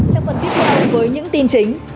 trong phần tiếp theo với những tin chính